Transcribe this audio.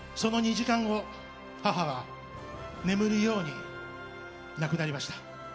その２時間後母は眠るように亡くなりました。